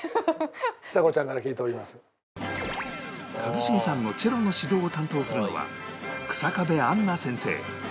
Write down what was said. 一茂さんのチェロの指導を担当するのは日下部杏奈先生